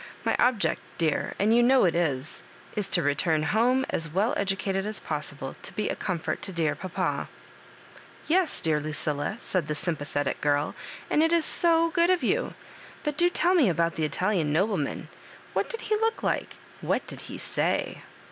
My object, dear, and you know it, is to return home as well educated as possible, to be a com fort to dear papa." "Yes, dear Lucilla," said the Sympathetic giri, '• and it is so good of you ; but do tell me about the Italian nobleman — ^what did he look like — what did he say